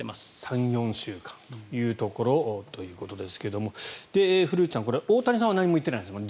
３４週間というところですが古内さん、大谷さんは何も言ってないんですね。